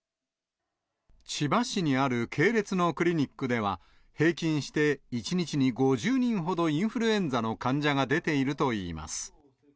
千葉市にある系列のクリニックでは、平均して１日に５０人ほど、インフルエンザの患者が出ているといいます。